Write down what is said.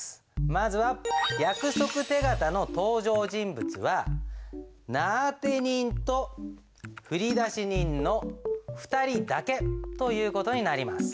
まずは約束手形の登場人物は名あて人と振出人の２人だけという事になります。